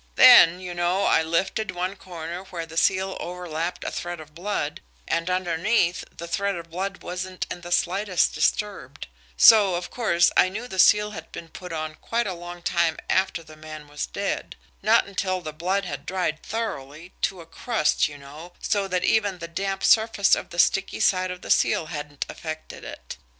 Then, you know, I lifted one corner where the seal overlapped a thread of blood, and, underneath, the thread of blood wasn't in the slightest disturbed; so, of course, I knew the seal had been put on quite a long time after the man was dead not until the blood had dried thoroughly, to a crust, you know, so that even the damp surface of the sticky side of the seal hadn't affected it.